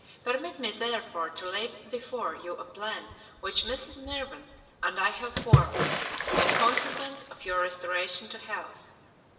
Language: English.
Permit me, therefore, to lay before you a plan which Mrs. Mirvan and I have formed, in consequence of your restoration to health.